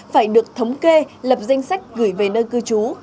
phải được thống kê lập danh sách gửi về nơi cư trú